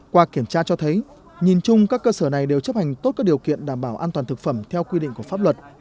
qua kiểm tra cho thấy nhìn chung các cơ sở này đều chấp hành tốt các điều kiện đảm bảo an toàn thực phẩm theo quy định của pháp luật